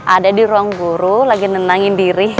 ada di ruang guru lagi nenangin diri